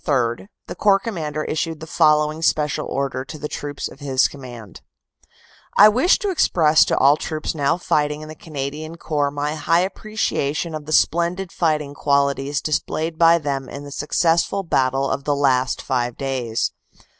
3 the Corps Commander issued the following special order to the troops of his command : "I wish to express to all troops now 1 fighting in the Canadian Corps my high appreciation of the splendid fighting qualities displayed by them in the successful battle of the last five days.